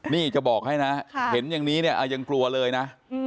นี่จะบอกให้นะเห็นอย่างนี้เนี่ยยังกลัวเลยนะ